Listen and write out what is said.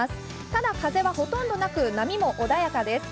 ただ風はほとんどなく波も穏やかです。